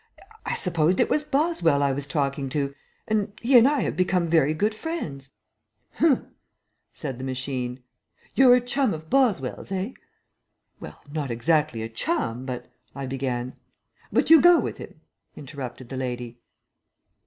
I supposed it was Boswell I was talking to, and he and I have become very good friends." "Humph!" said the machine. "You're a chum of Boswell's, eh?" "Well, not exactly a chum, but " I began. "But you go with him?" interrupted the lady.